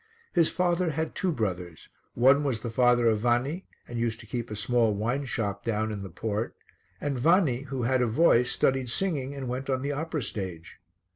His father had two brothers, one was the father of Vanni and used to keep a small wine shop down in the port and Vanni, who had a voice, studied singing and went on the opera stage.